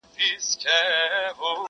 که پاچا دی که امیر ګورته رسیږي-